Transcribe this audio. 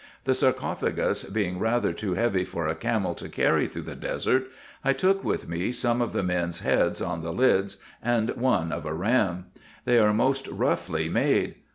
The sarcophagus being rather too heavy for a camel to carry through the desert, I took with me some of the men's heads on the lids, and one of a ram. They are most roughly made.